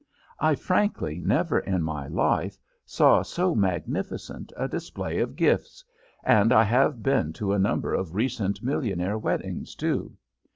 I frankly never in my life saw so magnificent a display of gifts, and I have been to a number of recent millionaire weddings, too.